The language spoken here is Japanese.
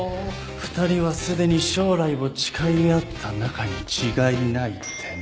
２人はすでに将来を誓い合った仲に違いないってね。